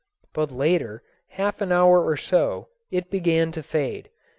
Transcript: But later, half an hour or so, it began to fade.